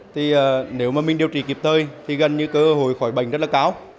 thì nếu mà mình điều trị kịp thời thì gần như cơ hội khỏi bệnh rất là cao